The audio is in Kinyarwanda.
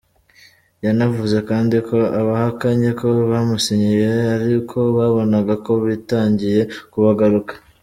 Yanavuze kandi ko abahakanye ko bamusinyiye ari uko babonaga ko bitangiye kubagaruka.